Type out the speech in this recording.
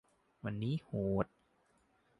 วันนี้โหด